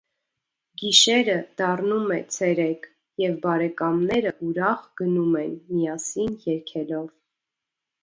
Գիշերը դառնում է ցերեկ, և բարեկամները ուրախ գնում են՝ միասին երգելով։